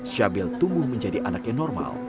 syabil tumbuh menjadi anak yang normal